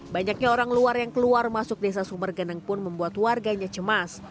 banyaknya orang luar yang keluar masuk desa sumber geneng pun membuat warganya cemas